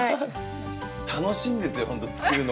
楽しいんですよ本当作るのが。